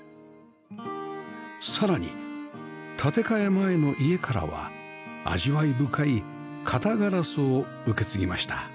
さらに建て替え前の家からは味わい深い型ガラスを受け継ぎました